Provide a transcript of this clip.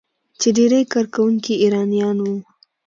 چې ډیری کارکونکي یې ایرانیان وو.